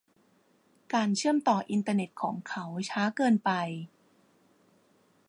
การเชื่อมต่ออินเทอร์เน็ตของเขาช้าเกินไป